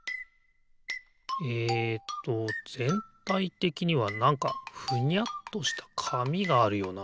えっとぜんたいてきにはなんかふにゃっとしたかみがあるよな。